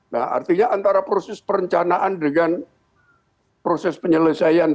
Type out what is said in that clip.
nah artinya antara proses perencanaan dengan proses penyelesaian